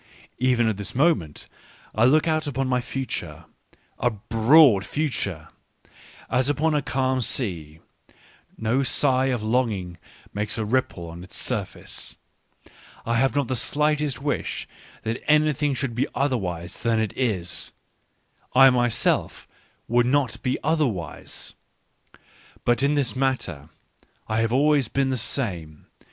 Even at this moment I look out upon my future — a broad future !— as upon a calm sea : no sigh of longing Digitized by Google WHY I AM SO CLEVER 5 1 makes a ripple on its surface. I have not the slightest wish that anything should be otherwise than it is : I myself would not be otherwise. ... But in this matter I have always been the same.